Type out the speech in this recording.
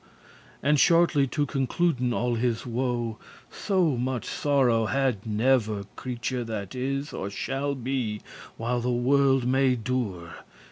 And shortly to concluden all his woe, So much sorrow had never creature That is or shall be while the world may dure.